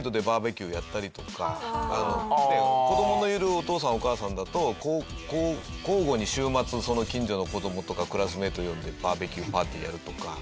子供のいるお父さんお母さんだと交互に週末その近所の子供とかクラスメート呼んでバーベキューパーティーやるとか。